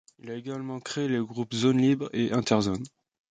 Il a également créé les groupes Zone libre et Interzone.